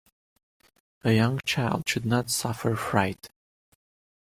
A young child should not suffer fright.